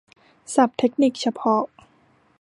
ศัพท์เทคนิคเฉพาะ